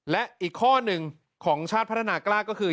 และอีกข้อหนึ่งของชาติพัฒนากล้าก็คือ